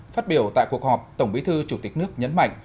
phát biểu tại cuộc họp tổng bí thư chủ tịch nước nhấn mạnh